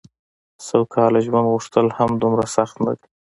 سوکاله ژوند غوښتل هم دومره سخت نه دي.